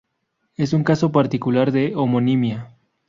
Es un caso particular de homonimia.